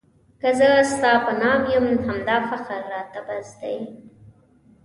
که زه ستا په نام یم همدا فخر راته بس دی.